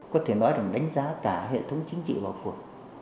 có thể nói là đánh giá tả hệ thống chính trị vào cuộc